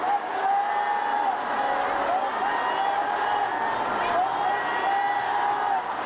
โอ้มัสดีครับ